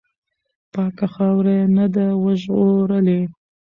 پاکه خاوره یې نه ده وژغورلې.